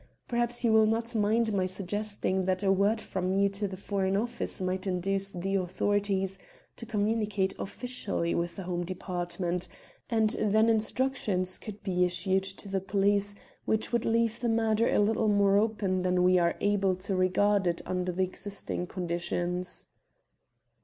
Perhaps you will not mind my suggesting that a word from you to the Foreign Office might induce the authorities to communicate officially with the Home Department, and then instructions could be issued to the police which would leave the matter a little more open than we are able to regard it under the existing conditions."